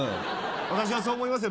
私はそう思いますよ